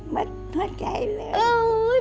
มัดเถือดใจเลย